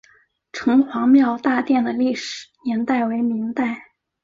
城隍庙大殿的历史年代为明代。